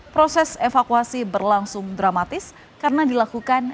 proses evakuasi berlangsung dramatis karena dilakukan